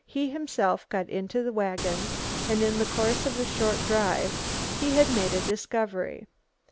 He himself got into the wagon, and in the course of the short drive he had made a discovery.